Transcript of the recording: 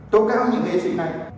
tốt cao những nghệ sĩ này